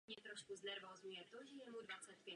Samice žijí déle než samci.